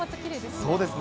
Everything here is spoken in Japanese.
そうですね。